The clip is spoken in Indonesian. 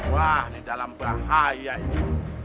wah ini dalam bahaya ini